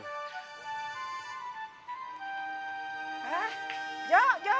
hah jok jok